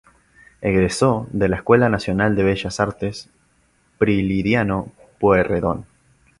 Egresó de la Escuela Nacional de Bellas Artes Prilidiano Pueyrredón.